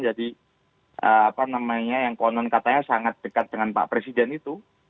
jadi apa namanya yang konon katanya sangat dekat dengan pak presiden itu